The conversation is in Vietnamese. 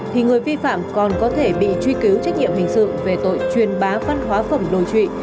thì người vi phạm còn có thể bị truy cứu trách nhiệm hình sự về tội truyền bá văn hóa phẩm đồi trụy